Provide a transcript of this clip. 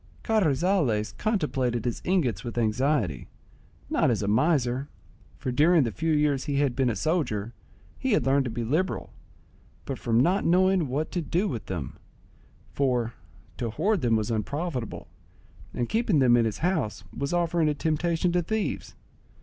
Carrizales contemplated his ingots with anxiety, not as a miser, for, during the few years he had been a soldier, he had learned to be liberal; but from not knowing what to do with them; for to hoard them was unprofitable, and keeping them in his house was offering a temptation to thieves.